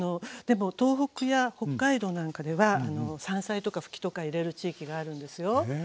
でも東北や北海道なんかでは山菜とかふきとか入れる地域があるんですよ。